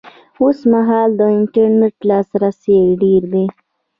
اوس مهال د انټرنېټ لاسرسی ډېر دی